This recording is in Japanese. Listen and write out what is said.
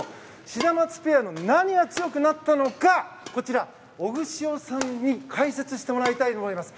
シダマツペアの何が強くなったのかをこちら、オグシオさんに解説してもらいたいと思います。